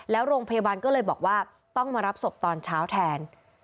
แล้วโรงพยาบาลก็เลยบอกว่าต้องมารับศพตอนเช้าแทน